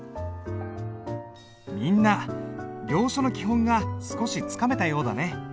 みんな行書の基本が少しつかめたようだね。